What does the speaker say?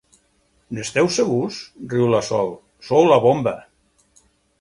N'esteu segurs? —riu la Sol— Sou la bomba!